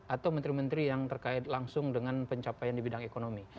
atau menteri menteri yang terkait langsung dengan pencapaian di bidang ekonomi